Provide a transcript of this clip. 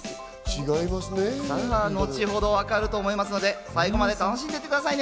さぁ、のちほど分かると思いますので、最後まで楽しんでいってくださいね。